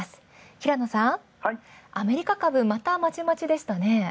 平野さん、アメリカ株また、またまちまちでしたね。